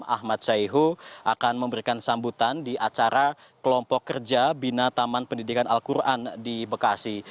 ahmad syaihu akan memberikan sambutan di acara kelompok kerja bina taman pendidikan al quran di bekasi